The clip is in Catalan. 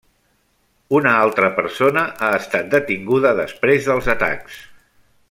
Una altra persona ha estat detinguda després dels atacs.